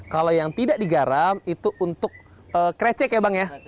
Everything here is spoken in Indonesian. kalau yang tidak digarap itu untuk krecek ya bang ya